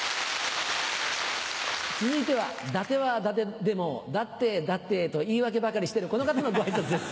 続いては「だて」は「だて」でも「だってだって」と言い訳ばかりしてるこの方のご挨拶です。